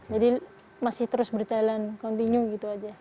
jadi masih terus berjalan continue gitu aja